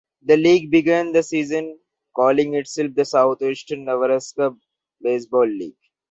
The league began the season calling itself the Southwestern Nebraska Baseball League.